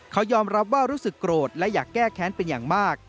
เขายอมรับว่ารู้สึกโกรธและอยากแก้แค้นเป็นอย่างมาก